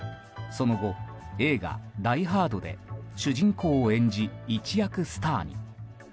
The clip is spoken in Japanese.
その後、映画「ダイ・ハード」で主人公を演じ、一躍スターに。